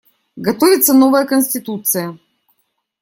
Готовится новая Конституция.